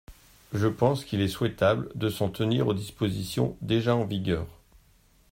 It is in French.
Je pense qu’il est souhaitable de s’en tenir aux dispositions déjà en vigueur.